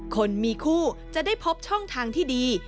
คนมีคู่จะได้พบช่องทางที่ดี